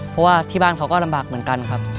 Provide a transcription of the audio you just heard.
เพราะว่าที่บ้านเขาก็ลำบากเหมือนกันครับ